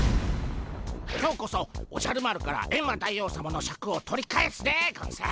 今日こそおじゃる丸からエンマ大王さまのシャクを取り返すでゴンス。